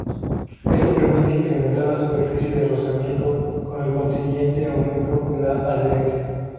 Esto permite incrementar la superficie de rozamiento, con el consiguiente aumento en la adherencia.